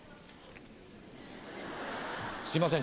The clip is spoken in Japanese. すいません。